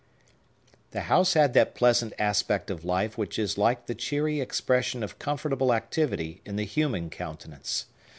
The house had that pleasant aspect of life which is like the cheery expression of comfortable activity in the human countenance.